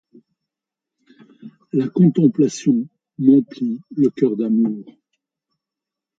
La contemplation m’emplit le cœur d’amour.